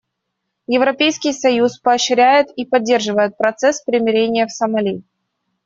Европейский союз поощряет и поддерживает процесс примирения в Сомали.